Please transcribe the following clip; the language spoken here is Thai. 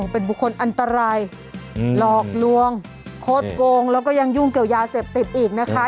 เป็นบุคคลอันตรายหลอกลวงโค้ดโกงแล้วก็ยังยุ่งเกี่ยวยาเสพติดอีกนะคะ